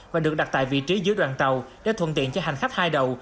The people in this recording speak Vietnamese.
và được đặt tại vị trí dưới đoàn tàu để thuận tiện cho hành khách hai đầu